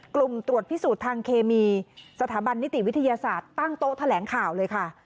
ตรวจพิสูจน์ทางเคมีสถาบันนิติวิทยาศาสตร์ตั้งโต๊ะแถลงข่าวเลยค่ะ